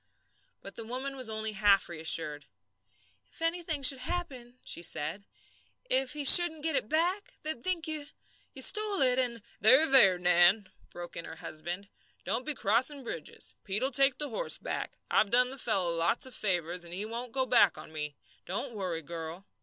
But the woman was only half reassured. "If anything should happen," she said, "if he shouldn't get it back, they'd think you you stole it, and " "There, there, Nan!" broke in her husband, "don't be crossing bridges. Pete'll take the horse back. I've done the fellow lots of favours, and he won't go back on me. Don't worry, girl!"